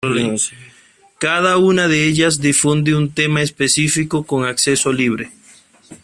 Cada una de ellas difunde un tema específico con acceso libre.